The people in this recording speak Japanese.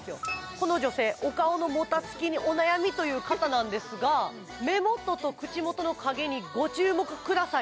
この女性お顔のもたつきにお悩みという方なんですが目元と口元の影にご注目ください